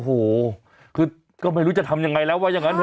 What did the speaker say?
โอ้โหคือก็ไม่รู้จะทำยังไงแล้วว่าอย่างนั้นเ